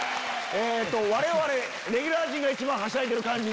我々レギュラー陣が一番はしゃいでる感じで。